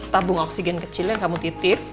tabung oksigen kecil yang kamu titip